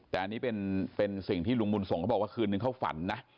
แต่อันนี้เป็นสิ่งที่ลุงบุญส่งเขาบอกว่าคืนนึงเขาฝันนะ